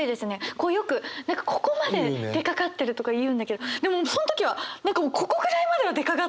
こうよく何かここまで出かかってるとか言うんだけどでもその時はここぐらいまでは出かかってる。